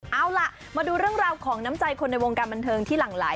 เอาล่ะมาดูเรื่องราวของน้ำใจคนในวงการบันเทิงที่หลั่งไหล